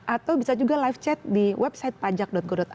atau bisa juga live chat di website pajak go i